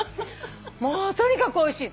もうとにかくおいしい。